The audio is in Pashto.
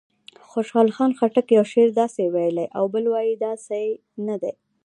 خوشحال خټک یو شعر داسې ویلی او بل وایي داسې نه دی.